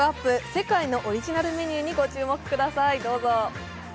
世界のオリジナルメニューにご注目ください。